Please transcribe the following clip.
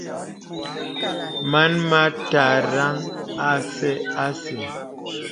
Mān mə tə̀rən asà asə́.